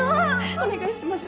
お願いします